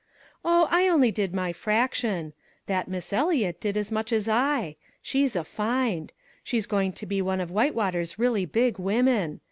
"Oh, I only did my fraction. That Miss Eliot did as much as I she's a find she's going to be one of Whitewater's really big women.